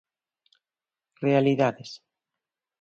Realidades.